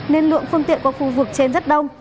nên lượng phương tiện qua khu vực trên rất đông